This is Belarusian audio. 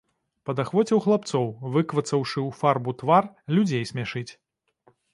Падахвоціў хлапцоў, выквацаўшы ў фарбу твар, людзей смяшыць.